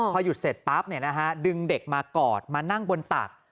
พอหยุดเสร็จปั๊บดึงเด็กมากอดมานั่งบนตัก